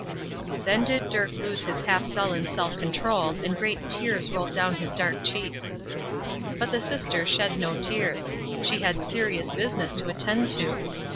Then did Dirk lose his half sullen self control, and great tears rolled down his dark cheeks. But the sister shed no tears. She had serious business to attend to.